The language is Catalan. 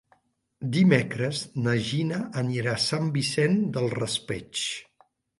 Dimecres na Gina anirà a Sant Vicent del Raspeig.